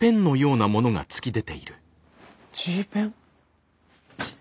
Ｇペン？